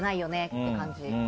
って感じ。